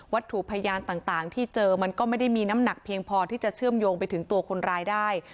ถูกพยานต่างที่เจอมันก็ไม่ได้มีน้ำหนักเพียงพอที่จะเชื่อมโยงไปถึงตัวคนร้ายได้